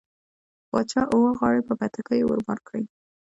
باچا اوه غاړۍ په بتکيو ور بار کړې.